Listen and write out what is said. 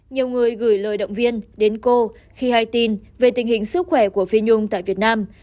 nhiều người gửi lời động viên đến cô khi hay tin về tình hình sức khỏe của phi nhung tại việt nam